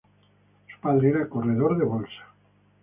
Su padre era corredor de bolsa.